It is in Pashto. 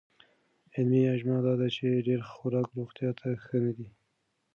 علمي اجماع دا ده چې ډېر خوراک روغتیا ته ښه نه دی.